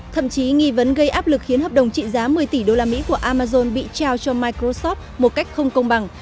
thậm chí nghi vấn gây áp lực khiến hợp đồng trị giá một mươi tỷ usd của amazon bị trao cho microsoft một cách không công bằng